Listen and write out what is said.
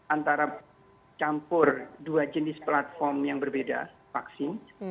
antara campur dua jenis platform yang berbeda vaksin